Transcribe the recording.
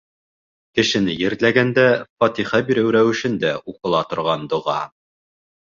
Кешене ерләгәндә фатиха биреү рәүешендә уҡыла торған доға.